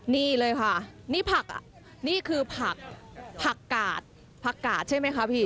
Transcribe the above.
นี่เลยค่ะนี่ผักอ่ะนี่คือผักผักกาดผักกาดใช่ไหมคะพี่